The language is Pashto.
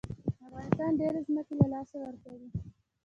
افغانستان ډېرې ځمکې له لاسه ورکړې.